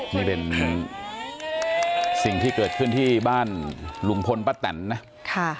นี่เป็นสิ่งที่เกิดขึ้นที่บ้านลุงพลป้าแตนนะค่ะ